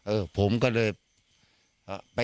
เออผมก็เลยไปตบแก